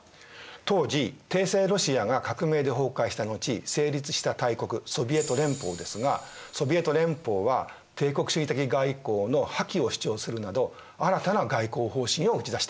当時帝政ロシアが革命で崩壊した後成立した大国ソヴィエト連邦ですがソヴィエト連邦は帝国主義的外交の破棄を主張するなど新たな外交方針を打ち出していました。